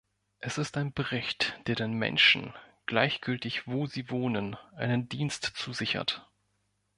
Es ist ein Bericht, der den Menschen, gleichgültig, wo sie wohnen, einen Dienst zusichert.